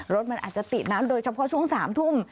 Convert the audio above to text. รถมันอาจจะติดนะโดยเฉพาะช่วง๓ทุ่ม